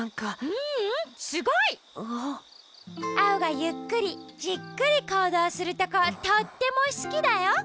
ううんすごい！アオがゆっくりじっくりこうどうするとことってもすきだよ。